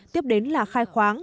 tiếp đến là khai khoáng